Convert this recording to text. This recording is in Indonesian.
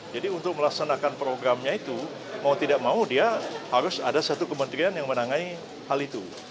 jadi untuk melaksanakan programnya itu mau tidak mau dia harus ada satu kementerian yang menangani hal itu